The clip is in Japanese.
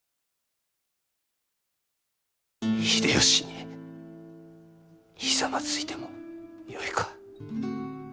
秀吉にひざまずいてもよいか？